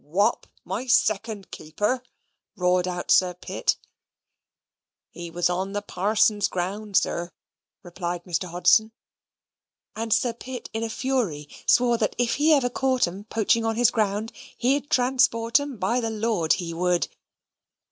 "Whop my second keeper!" roared out Sir Pitt. "He was on the parson's ground, sir," replied Mr. Hodson; and Sir Pitt in a fury swore that if he ever caught 'em poaching on his ground, he'd transport 'em, by the lord he would.